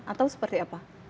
atau seperti apa